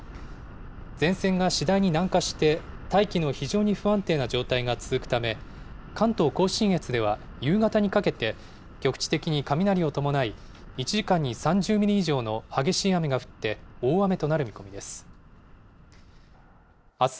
前線が次第に南下して、大気の非常に不安定な状態が続くため、関東甲信越では夕方にかけて、局地的に雷を伴い、１時間に３０ミリ以上の激しい雨が降って、大雨となる見込みです。